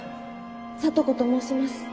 聡子と申します。